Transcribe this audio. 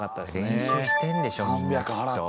練習してるんでしょみんなきっと。